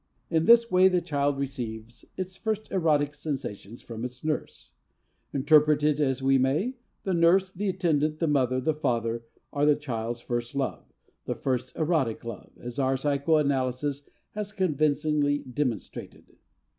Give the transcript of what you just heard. In this way the child receives its first erotic sensations from its nurse. Interpret it as we may the nurse, the attendant, the mother, the father are the child's first love, the first erotic love, as our psychoanalysis has convincingly demonstrated.